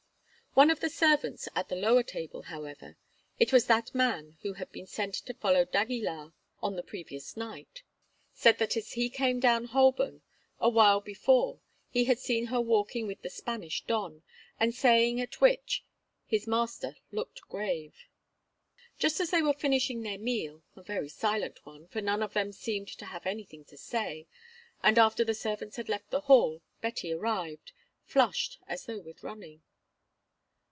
One of the servants at the lower table, however—it was that man who had been sent to follow d'Aguilar on the previous night—said that as he came down Holborn a while before he had seen her walking with the Spanish don, a saying at which his master looked grave. Just as they were finishing their meal, a very silent one, for none of them seemed to have anything to say, and after the servants had left the hall, Betty arrived, flushed as though with running.